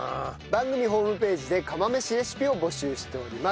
番組ホームページで釜飯レシピを募集しております。